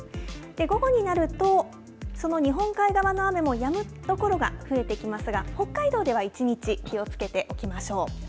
午後になると、その日本海側の雨もやむ所が増えてきますが、北海道では一日、気をつけておきましょう。